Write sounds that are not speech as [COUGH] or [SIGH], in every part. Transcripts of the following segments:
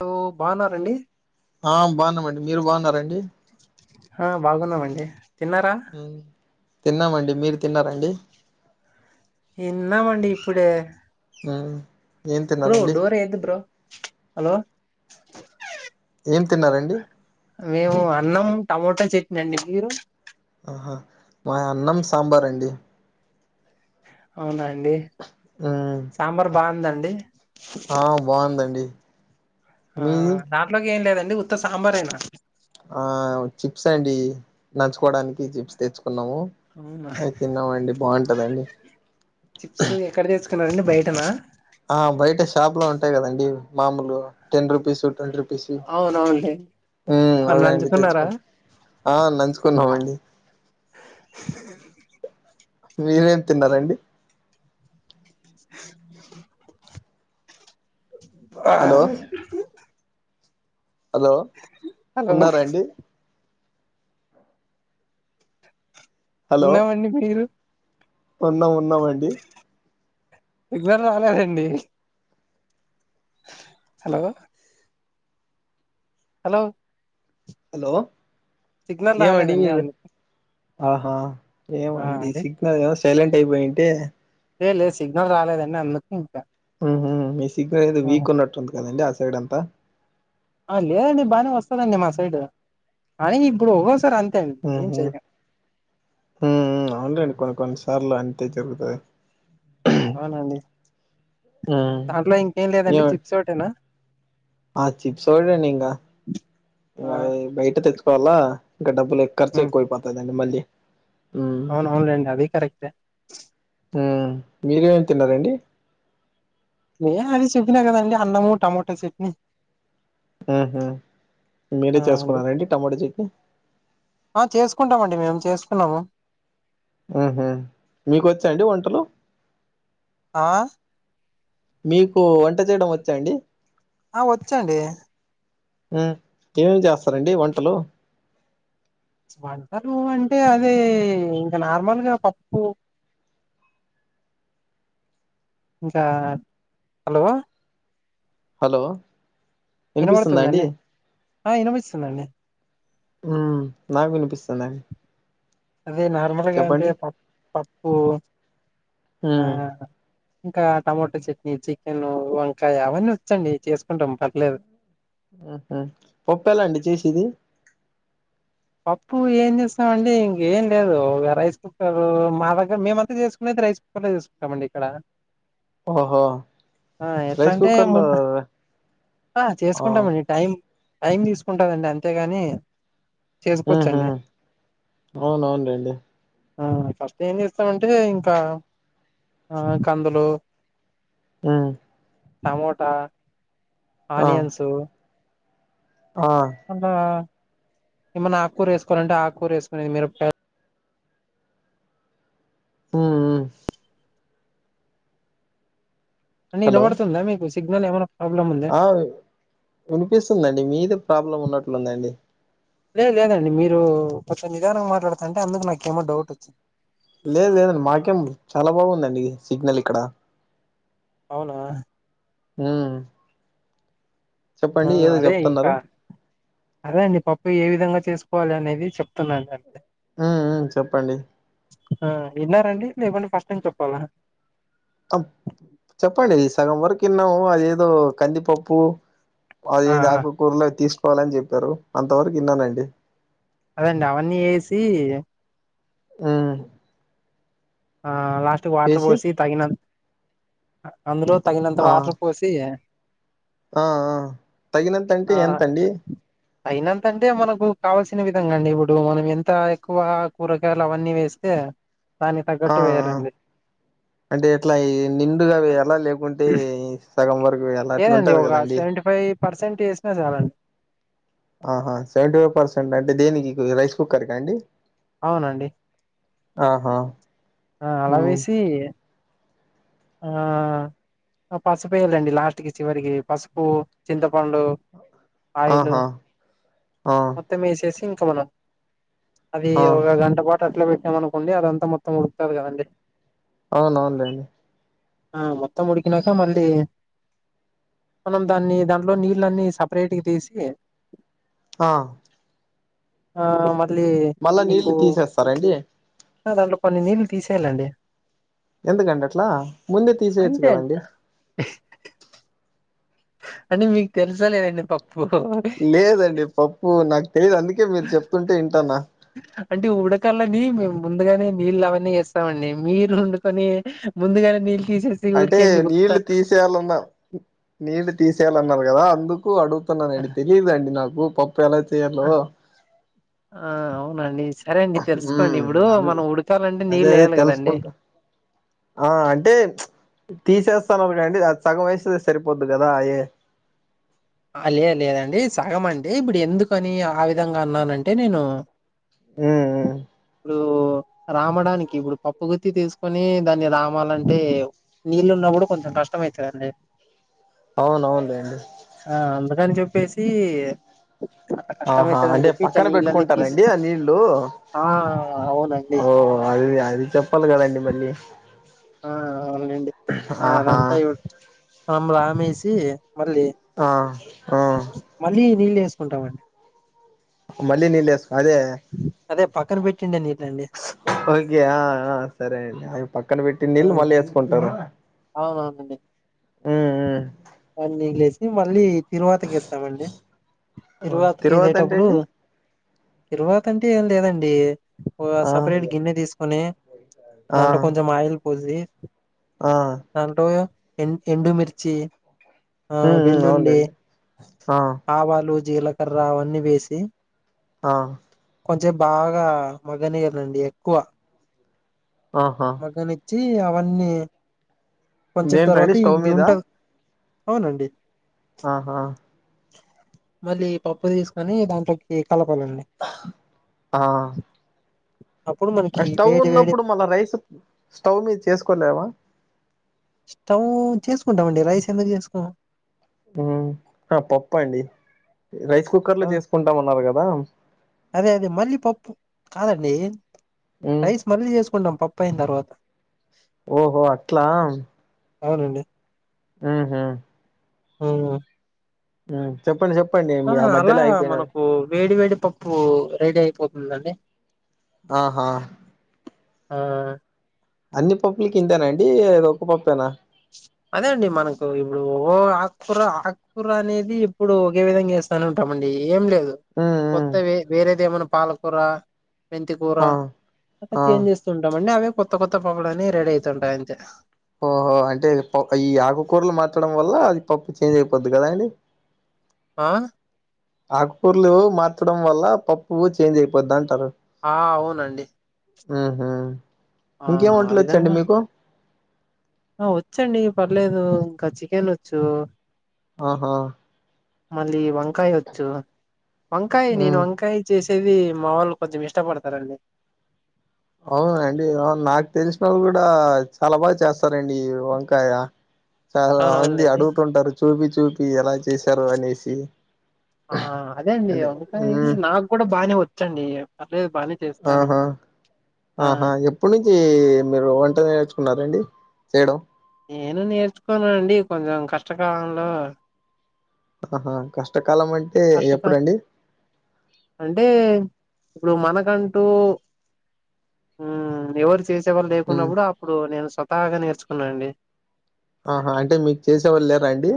So బాగున్నరండి ఆ బాగున్నామండి మీరు బాగున్నరండి ఆ బాగున్నామండి తిన్నారా తిన్నామండి మీరు తిన్నారండి ఇన్నామండి ఇప్పుడే మ్ బ్రో డోర్ ఏయద్దు బ్రో. హలో. ఏం తిన్నారండి. మేము అన్నం టమోటా చట్నీ అండి మీరు. ఆహా మాదీ అన్నం సాంబార్ అండి. అవునా అండి. ఊ సాంబార్ బాగుందాఅండి ఆ బాగుందండి. ఆ మీది దాంట్లోకి ఏం లేదండి ఉత్త సాంబారేనా. ఆ చిప్స్ అండి, నంచుకోవడానికి చిప్స్ తెచ్చుకున్నాము. అవునా అవి తిన్నామండి బాగుంటదండి చిప్స్ ఎక్కడ తెసుకున్నారండి బయటనా. ఆ బయట షాప్ లో ఉంటాయి కదండి మామూలు టెన్ రూపీస్ ట్వంటి రూపీ. స్ అవునవునులే ఊ మరి అదే అండి నంచుకున్నారా తెచ్చుకున్నాం ఆ నంచుకున్నామండి. మీరేం తిన్నారండి. హలో అబ్బా. హలో హలో ఉన్నార అండి. హలో ఉన్నామండి మీరు. ఉన్నాం ఉన్నామండి సిగ్నల్ రాలేదండి. హలో. హలో. హలో సిగ్నల్ ఏమండి. రాలేదండి అందుకు ఆహా ఆ ఏమండే అండి సి. ఉందో లేవో సైలెంట్ అయిపోయింటే. హే లే లేదు సిగ్నల్ రాలేదని అందుకు ఇంకా. మీ సిగ్నల్ ఏది వీక్ ఉన్నట్టుంది కదండి ఆ సైడ్ అంతా. ఆ లేదండి బాగానే వస్తదండి మా సైడ్ అయినా ఇప్పుడు ఒక్కోసారి అంతే అండి. ఏం చేయకండి. ఊఉ అవునులేండి కొన్ని కొన్ని సార్లు అంతే జరుగుతది. అవునండి ఉ దాంట్లో ఇంకేం ఏ లేదండి చిప్స్ ఒకటేనా ఆ చిప్స్ ఒకటేనండి ఇంకా ఆ ఇకా అయి బయట తెచ్చుకోవాలా. ఇంకా డబ్బులు ఎక్ ఖర్చు ఎక్కువ అయి పోతాది అండి మళ్ళి. అవునవును లేండి అదది కరెక్టే. ఊ. మీరు ఏమేమి తిన్నారండి. హే అన్ని సింపులే కదండి అన్నము టమోటా చట్నీ. ఊఉ మీరే చేసుకోవాలా అండి టమాటా చెట్నీ. ఆ చేసుకుంటామండి మేము చేసుకున్నాము. హుహు మీకు వచ్చాఅండి వంటలు. ఆ మీకు వంట చేయడం వచ్చా అండి. ఆ వచ్చండి. ఉ ఏమేమ్ చేస్తారండి వంటలు. వంటలు అంటే అదే ఇంకా నార్మల్గా పప్పు. ఇంకా హలో. హలో ఇనపడుతుంద అండి. ఆ ఇనిపిస్తుందండి ఉ నాకు వినిపిస్తలే. అదే నార్మల్గా అంటే పప్పు పప్పు ఉ ఆ ఇంకా టమాటా చట్నీ చికెన్ వంకాయ అవన్నీ వచ్చండి చేసుకుంటాం పర్లేదు ఆహ ఒక్కలండి చేసేది పప్పు ఏం చేస్తామండి ఇంకేం లేదు ఆ రైస్ ఆగో మా దగ్గర మేమంతా చేసుకునేది రైస్ కుక్కర్లో చేసుకుంటాంమండి ఇక్కడ ఓహో ఆ రైస్ ఎట్లాంటే కుక్కర్ లో ముందు ఆ చేసుకుంటామండి టైం టైం తీసుకుంటదండి అంతేగాని ఉహు చేసుకోవచ్చండి అవునా నండి ఆ ఫస్ట్ ఏం చేస్తామంటే ఇంకా ఆ కందులు ఉ టమాటా ఆ ఆనియన్సు ఆ అలా ఏమన్నా ఆకుకూర వేసుకోవాలంటే ఆకూర వేసుకునేది మీరపకాయలు ఉ అండి హలో వినబడుతుందా మీకు సిగ్నల్ ఏమై ప్రాబ్లమ్ ఉందా ఆ వినిపిస్తుందండి మీదే ప్రాబ్లం ఉన్నట్లుందండి లే లేదండి మీరు కొంచెం నిధాంగా మాట్లాడుతుంటే అందుకు నాకేమో డౌట్ వచ్చింది లేదు లేదండి మాకేం చాలా బాగుందండి సిగ్నల్ ఇక్కడ అవునా ఉ ఆ అదే చెప్తున్నారు ఇంకా అదే అండి పప్పు ఏ విధంగా చేసుకోవాలి అనేది చెప్తున్నాండి అంతే ఉ ఉ చెప్పండి ఆ విన్నారండి లేకుంటే ఫస్ట్ నుంచి చెప్పాలా ఆ చెప్పండి సగం వరకు విన్నాము అది ఏదో కందిపప్పు అది ఆ ఏదో ఆ ఆకుకూరలే తీసుకోవాలని చెప్పారు అంత వరకు విన్నానండి అదండి అవన్నీ వేసి ఉ ఆ లాస్ట్ వాటర్ వేసి పోసి తగినంత అందులో తగినంత ఆ వాటర్ పోసి ఆ తగినంతంటే ఎంతండి తగినంతంటే మనకు కావల్సిన విధంగా అండి ఇప్పుడు మనం ఎంత ఎక్కువ కూరగాయలు అవన్నీ వేస్తే దానికి తగ్గట్టు వేయాలండి అ అంటే ఎట్లా ఈ నిండుగా వేయాలా లేకుంటే ఈ సగం వరకు ఎలా లేదండి అట్లుంటది ఒక కదండి సెవెంటీ ఫైవ్ పర్సెంట్ చేసినా చాలండి ఆహా సెవెంటీ ఫైవ్ పర్సెంట్ అంటే దేనికి రైస్ కుక్కర్కా అండి అవునండి ఆహా ఆ ఉమ్ అలావేసి ఆ పసుపు వేయాలండి లాస్ట్కి చివరికి పసుపు చింతపండు ఆయిలు ఆహా ఆ మొత్తం వేసేసి ఇంక మనం అది ఆ ఒక గంట పాటు అట్లా పెట్టామనుకోండి అదంతా మొత్తం ఉడుకుతాది కదండి అవునవునులేండి ఆ మొత్తం ఉడికినాక మళ్ళీ మనం దాన్ని దాంట్లో నీళ్ళన్నీ సపరేట్ గా తీసి. ఆ ఆ మళ్ళీ మళ్ళా నీకు నీళ్లు తీసేస్తారండి దాంలో కొన్ని నళ్లు తీసేయాలండి ఎందుకండి అట్లా ముందే తీసేయచ్చు అంతే అండి కదండి అంటే మీకు తెలుస లేదండి పప్పు లేదండి పప్పు నాకు తెలిదు అందుకే మీరు చెప్తుంటే వింటానా అంటే ఉడకల్లని మేము ముందుగానే నీళ్ళు అవన్నీ ఏస్తామండి మీరు వండుకొని ముందుగానే నీళ్ళ తీసేసి అంటే ఊరికే ఎందుకు ఉత్త నీళ్ళు తీసి యాలన్నా నీ తీసేయాలన్నారు కదా అందుకు అడుగుతున్నా నడితే లేదండి నాకు పప్పు ఎలా చేయాలో ఆ అవునండి సరే అండి తెలుసుకోండి మ్మ్ ఇప్పుడు అంది మనం ఉడకాలంటే అదే నీళ్ళు అదే వేయాలి కదండి తెలుసుకుంటా ఆ అంటే తీసేస్తన్నారు కాండి అది సగం వయసే సరిపోద్దు కదా అయ లేద లేదండి సగం అంటడి ఇప్పుడు ఎందుకని ఆ విధంగా అన్నానంటే నేను ఉ ఇప్పుడు రామడానికి ఇప్పుడు పప్పుగుత్తి తీసుకొని దాన్ని రామాలంటే. నీళ్ళలు ఉన్నప్పు కూడా కొంచెం కష్టం అవుతుందిండి. అవునవునులేండి. ఆ అందుకని చెప్పేసి. అట్లా కష్టం ఆహా అయితదని అంటే చెప్పి ఇట్లా పక్కన నీళ్ళని తీసు పెట్టుకుంటారండి ఆ నీళ్ళ ఆ అవునండి ఓ. అది అది చెప్పాలి కదండి మళ్ళీ. ఆ అవునండి ఆ ఆహా అదంతా ఇ మామలు రామేసి మళ్ళీ ఆ ఆ. మళ్ళీ నీళ్ళు వేసుకుంటామండి. మళ్ళనిల్ లేసు అదే. అదే పక్కన పెట్టిండే నీళ్ళండి ఓకే ఆ ఆ సరే అండి. పక్కన పెట్టి ఆ నీళ్ళు మళ్ళీ వేసుకుంటారు‌. అవునవునండి అన్నిలేసి మళ్ళీ తిరువాతికి ఏస్తామండి. ఉమ్ తిరువాతికి తిరువాత అంటే ఏసేటప్పుడు. అండి తిరువాత అంటే ఏం లేదండి ఆ సపరేట్ గిన్నె తీసుకొని. ఆ దాంట్లో కొంచం ఆయిల్ పోసి. ఆ దాంట్లో యెన్ ఎండుమిర్చి. ఆ మ్ మ్ వెల్లుల్లి అవునులేండి ఆవాలు జీలకర్ర అవన్నీ వేసి. ఆ కొంచెం బాగా మగనిగండి ఎక్కువ. ఆహా. మగనిచ్చి అవన్నీ. కొని చెేపు దేంట్లో అండి తర్వాత స్టవ్ ఇది మీద ఉంటా అవునండి. ఆహా. మళ్ళీ పప్పు తీసుకొని దాంట్లోకి కలపాలండి. ఆ. అప్పుడు ఆ మనకి స్టవ్ వేడి వేడి ఉన్నప్పుడు మళ్ళ రైస్ స్టవ్ మీద చేసుకోలేవ స్టవ్ చేసుకుంటామండి రైస్ ఎందుకు చేసుకోమ్ ఉమ్ పప్పు అండి రైస్ కుక్కర్ లో చేసుకుంటాం అన్నారు గదా అదే అదే మళ్ళీ పప్పు కాదండి ఉమ్ రైస్ మళ్ళీ చేసుకుంటాం పప్పు అయిన తర్వాత ఓహో అట్ల అవునండి ఉహు ఉమ్ ఉమ్ చెప్పండి చెప్పండి ఆ మీ అలా మధ్యలో ఆగిపోయినారు మనకు వేడి వేడి పప్పు రెడీ అయిపోతుందండి ఆహా ఆ అన్ని పప్పుల కింతేనా అండి [UNINTELLIGIBLE] ఒక పప్పేనా అదే అండి మనకు ఇప్పుడు ఓ ఆక్కూర కూర అనేది ఇప్పుడు ఒకే విధంగ ఏస్తానే ఉంటామండి ఏం లేదు హ్మ్ కొత్త వేరేది ఏమన్నా పాలకూర మెంతికూర హ్మ్ ఆ అట్ల ఆ చేంజ్ ఉంటామండి అవే కొత్త కొత్త పొగడ అని రెడీ అయితుంటాయి అంతే ఓహో అంటే ఈ ఆకుకూరలు మార్చడం వల్ల అది పప్పు చేంజ్ అయిపోద్ది గదా అండి ఆ ఆకుకూర్లు మార్చడం వల్ల పప్పు చేంజ్ అయిపోద్ద అంటాన ఆ అవునండి ఆహా ఆ! ఇంకేమ్ ఆ వంటలు వచ్చండి విధంగా మీకు ఆ వచ్చండి పర్లేదు ఇకా చికెన్ వచ్చు ఆహా మళ్ళీ వంకాయ వచ్చు వంకాయ నేను వంకాయ్ చేసేది మా వాళ్ళు కొంచెం ఇష్టపడతారండి అవునా అండి అవు నాకు తెలిసిన వాళ్ళు గూడ చాలా బాగా చేస్తారండి ఈ వంకాయ చాల మంది అవునవునులేండి. అడుగుతుంటారు చూపి చూపి ఎలా చేసారు అనేసి ఆ అదే అండి అంటే అందుకని హ్మ్. నాకు గూడా బానే వచ్చండి పర్లేదు బానే చేస్తాను ఆ ఎప్పనుంచి మీరు వంట నేర్చుకున్నారండి చేయడం నేను నేర్చుకోన్నా అండి కొంచెం కష్టకాలంలో ఆహా కష్టకాల మం కష్టక అంటే ఇప్పుడు మనకంటూ ఉమ్ ఎవరు చేసేవాళ్ళు లేకున్న హ్మ్. గూడ అప్పుడు నేను స్వతహాగ నేర్చుకున్నా అండి ఆహా అంటే మీకు చేసేవాళ్ళు లేర అండి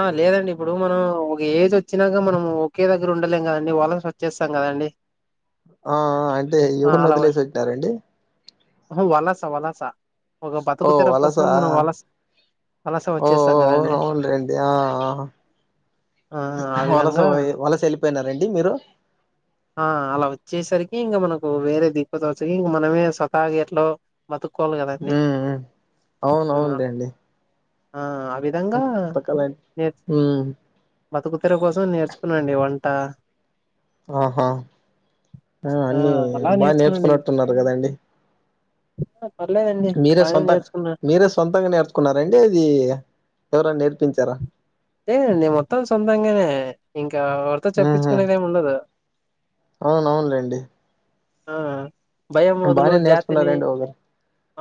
ఆ లేదండి ఇప్పుడు మనం ఒక ఏజ్ వచ్చినాక మనం ఒకే దగ్గర ఉండలేం గదండి వలస వచ్చేస్తాం గదండి ఆ అంటే ఎవర్ని వదిలేసి వచ్చారండి ఆహా వలస వలస ఒక ఓ బతుకుతెరువు కోసం వలసా? మనం వలస వలస ఓ ఓ వచ్చేస్తాం అవును గదండి అవునులేండి. ఆ ఆ ఆ వలస విధంగా వలస యెళ్ళిపోయినారండి మీరు ఆ అలా వచ్చేసరికి ఇంగ మనకు వేరే దిక్కుతోచక ఇంగ మనమే స్వతాహా గేట్లో బతుకోవాలి గదండి హ్మ్. హ్మ్. అవును అవునులేండి. ఆ అవి విధంగా పుస్తకాలం నే హ్మ్. బతుకు తెరువు కోసం నేర్చుకున్నానండి వంట ఆహా ఆ అన్ని అలా బాగ నేర్చుకున్నాండి నేర్చుకున్నట్టున్నారు గదండి పర్లేదండి మీరే బానే సొంతం నేర్చుకున్నా మీరే సొంతంగా నేర్ కున్నారండి ఈ ఎవరన్నా నేర్పించారా లేదండి మొత్తం సొంతంగానే ఇంకా ఎవరితో ఉహు చెప్పించుకునేది ఏమి ఉండదు అవునవునులేండి ఆ భయం వొదులు బానే జాతిని, నేర్చుకున్నారండి ఒకరు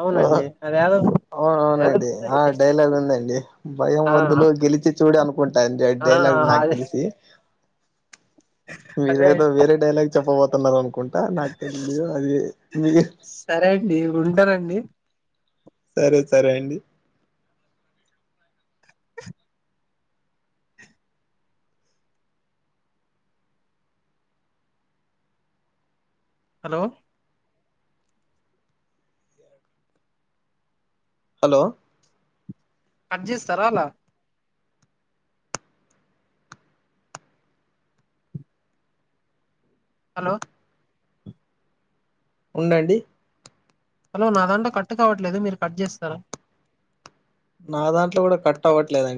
అవునండి అదెదో. అవున అవునండి ఆ డైలాగ్ ఉందండి భయం ఆ వదులు గెలిచి చూడు అను కుంటాయండి ఆ డైలాగ్ లు నాకు అదే తెలిసి. అదే మీరేదో, వేరే డైలాగ్ చెప్పబోతున్నారు అనుకుంటా నాకు తెలిదు అది. మీ ఎ సరే అండి ఉంటానండి. సరే సరే అండి. హలో. హలో కట్చేస్తారా అలా. హలో ఉండండి. హలో నా దాంట్లో కట్టు కావట్లేదు మీరు కట్ చేస్తారా నా దాంట్లో కూడా కట్ అవ్వట్లేదండి